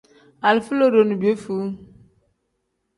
Alifa lodo ni piyefuu.